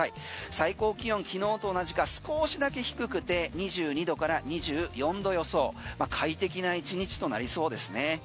最高気温、きのうと同じか少しだけ低くて２２度から２４度予想快適な１日となりそうですね。